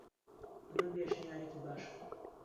ئەمە پێشنیارێکی باشە.